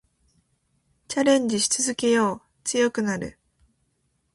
チャレンジし続けよう。強くなる。